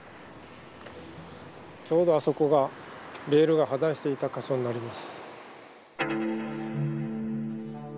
ちょうどあそこがレールが破断していた箇所になります。